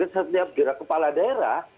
setiap gerak kepala daerah